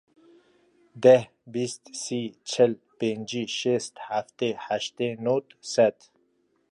Deh, bîst, sî, çil, pêncî, şêst, heftê, heştê, nod, sed.